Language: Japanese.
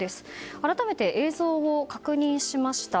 改めて映像を確認しました。